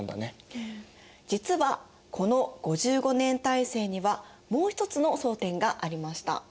実はこの５５年体制にはもう一つの争点がありました。